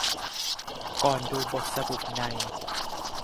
ก่อนดูบทสรุปใน